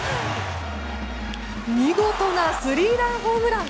見事なスリーランホームラン。